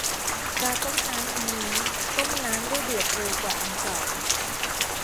กาต้มน้ำอันนี้ต้มน้ำได้เดือดเร็วกว่าอันเก่า